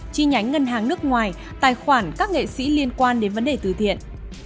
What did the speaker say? chi nhánh ngân hàng nước ngoài tài khoản các nghệ sĩ liên quan đến vấn đề từ thiện